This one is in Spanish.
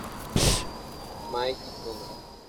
Mighty No.